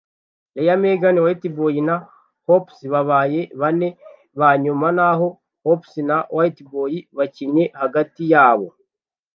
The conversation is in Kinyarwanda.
Real, Megan, Whiteboy na Hoopz babaye bane ba nyuma, naho Hoopz na Whiteboy bakinnye hagati yabo.